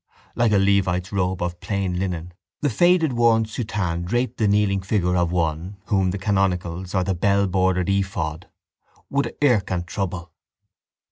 Like a levite's robe of plain linen the faded worn soutane draped the kneeling figure of one whom the canonicals or the bellbordered ephod would irk and trouble.